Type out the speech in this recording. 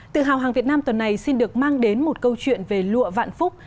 tự hào hàng việt nam tuần này xin được mang đến một câu chuyện về lụa vạn phúc